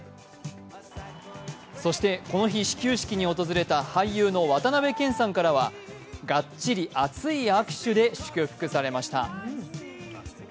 そしてこの日、始球式に訪れた俳優の渡辺謙さんからはがっちり熱い握手で祝福されました。